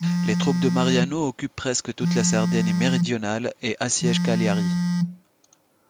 Les troupes de Mariano occupent presque toute la Sardaigne méridionale et assiègent Cagliari.